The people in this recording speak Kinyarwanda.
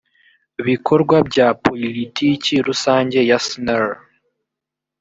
bikorwa bya poilitiki rusange ya sner